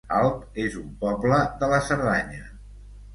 Alp es un poble de la Cerdanya